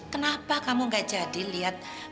kenapa kamu gak jadi liat bibit bibitmu